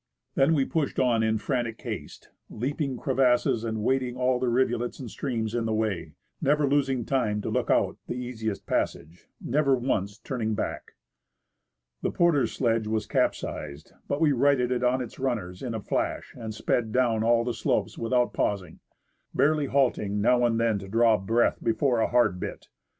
Then we pushed on in frantic haste, leaping crevasses and wading all the rivulets and streams in the way, never losing time to look out the easiest passage, never once turning back. The porters' sledge was capsized, but we righted it on its runners in 172 W o 3 <; Oh o <; H O RETURN FROM MOUNT ST. ELIAS TO YAKUTAT a flash and sped down all the slopes without pausing, barely halting now and then to draw breath before a hard bit.